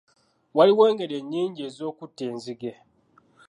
Waliwo engeri nnyingi ez'okutta enzige.